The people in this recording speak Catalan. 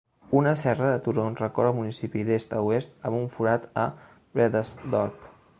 Una serra de turons recorre el municipi d'est a oest amb un forat a Bredasdorp.